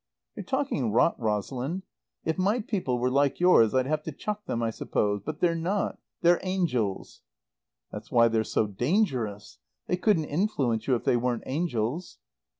"You're talking rot, Rosalind. If my people were like yours I'd have to chuck them, I suppose; but they're not. They're angels." "That's why they're so dangerous. They couldn't influence you if they weren't angels."